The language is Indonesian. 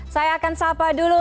saya akan sapa dulu